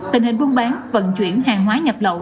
tình hình buôn bán vận chuyển hàng hóa nhập lậu